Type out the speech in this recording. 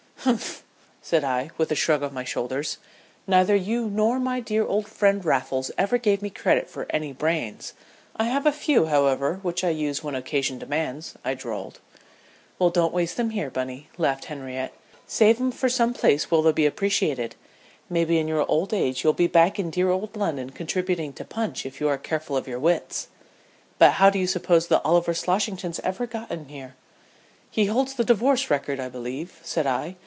"Humph!" said I, with a shrug of my shoulders. "Neither you nor my dear old friend Raffles ever gave me credit for any brains. I have a few, however, which I use when occasion demands," I drawled. "Well, don't waste them here, Bunny," laughed Henriette. "Save 'em for some place where they'll be appreciated. Maybe in your old age you'll be back in dear old London contributing to Punch if you are careful of your wits. But how do you suppose the Oliver Sloshingtons ever got in here?" "He holds the divorce record I believe," said I.